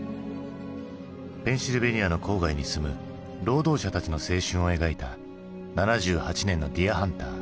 ペンシルベニアの郊外に住む労働者たちの青春を描いた７８年の「ディア・ハンター」。